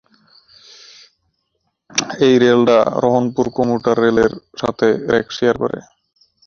এই ট্রেনটি রহনপুর কমিউটার ট্রেনের সাথে রেক শেয়ার করে।